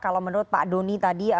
kalau menurut pak doni tadi